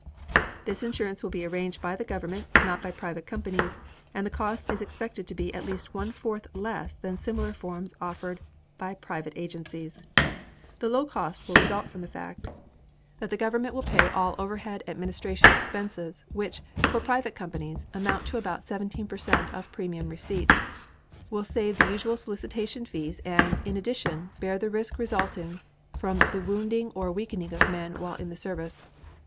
This insurance will be arranged by the government, not by private companies, and the cost is expected to be at least one fourth less than similar forms offered by private agencies. The low cost will result from the fact that the government will pay all overhead administration expenses, which, for private companies, amount to about seventeen per cent of premium receipts; will save the usual solicitation fees and, in addition, bear the risk resulting from the wounding or weakening of men while in the service.